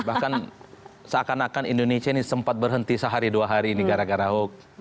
bahkan seakan akan indonesia ini sempat berhenti sehari dua hari ini gara gara hoax